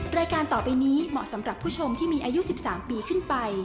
รายการต่อไปนี้เหมาะสำหรับผู้ชมที่มีอายุ๑๓ปีขึ้นไป